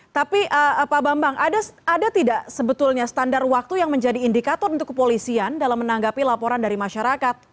tapi pak bambang ada tidak sebetulnya standar waktu yang menjadi indikator untuk kepolisian dalam menanggapi laporan dari masyarakat